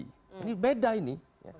ini beda ini